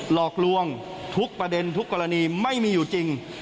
หลอกลวงทุกประเด็นทุกกรณีไม่มีอยู่จริง